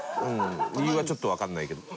理由はちょっとわかんないけど。